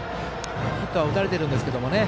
ヒットは打たれてるんですけどね